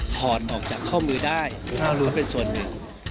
ถอดออกจากข้อมือได้ข้อมูลเป็นส่วนหนึ่ง